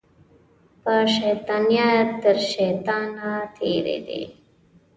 په شیطانیه تر شیطانه تېرې دي